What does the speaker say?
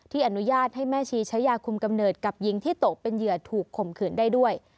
อนุญาตให้แม่ชีใช้ยาคุมกำเนิดกับหญิงที่ตกเป็นเหยื่อถูกข่มขืนได้ด้วย